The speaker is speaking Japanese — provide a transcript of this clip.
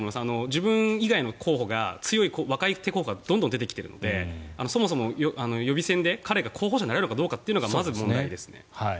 自分以外の若い候補もどんどん出てきているのでそもそも予備選で彼が候補者になれるかどうかがまず問題ですね。